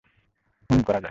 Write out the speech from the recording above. হুম, করা যায়।